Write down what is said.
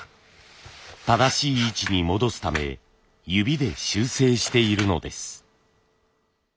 正しい位置に戻すため指で修正しているのです。